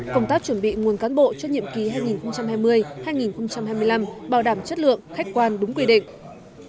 công tác chuẩn bị nguồn cán bộ cho nhiệm kỳ hai nghìn hai mươi hai nghìn hai mươi năm bảo đảm chất lượng khách quan đúng quy định